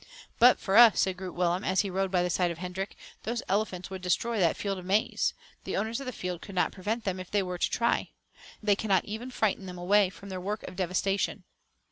"But for us," said Groot Willem, as he rode by the side of Hendrik, "those elephants would destroy that field of maize. The owners of the field could not prevent them, if they were to try. They cannot even frighten them away from their work of devastation."